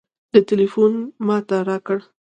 ده ټېلفون ما ته راکړ.